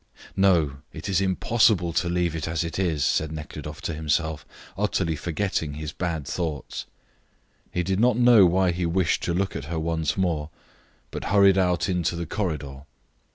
"No; it is impossible to leave it as it is," said Nekhludoff to himself, utterly forgetting his bad thoughts. He did not know why he wished to look at her once more, but hurried out into the corridor.